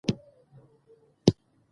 واده کې د ګډون لپاره روان شوو.